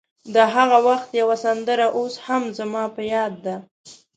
د هغه وخت یوه سندره اوس هم زما په یاد ده.